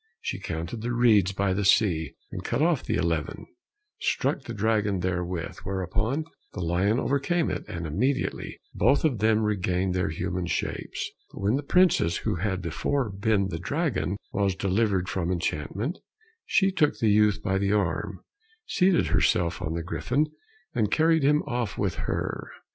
She counted the reeds by the sea, and cut off the eleventh, struck the dragon therewith, whereupon the lion overcame it, and immediately both of them regained their human shapes. But when the princess, who had before been the dragon, was delivered from enchantment, she took the youth by the arm, seated herself on the griffin, and carried him off with her.